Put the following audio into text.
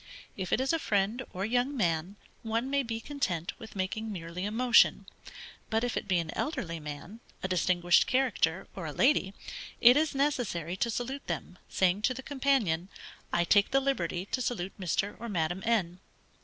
If it is a friend, or young man, one may be content with making merely a motion; but if it be an elderly man, a distinguished character, or a lady, it is necessary to salute them, saying to the companion: _I take the liberty to salute Mr. or Madam N.